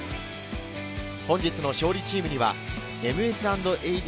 本日の勝利チームにはＭＳ＆ＡＤ